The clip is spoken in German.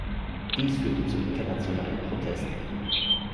Dies führte zu internationalen Protesten.